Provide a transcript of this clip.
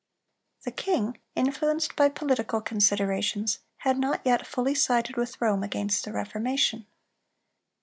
The king, influenced by political considerations, had not yet fully sided with Rome against the Reformation.